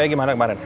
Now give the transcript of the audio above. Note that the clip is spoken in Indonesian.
eh gimana kemarin